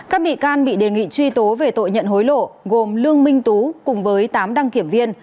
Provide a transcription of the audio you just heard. các bị can bị đề nghị truy tố về tội nhận hối lộ gồm lương minh tú cùng với tám đăng kiểm viên